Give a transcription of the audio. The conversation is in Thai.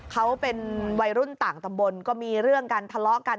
เขาเป็นวัยรุ่นต่างตำบลก็มีเรื่องกันทะเลาะกัน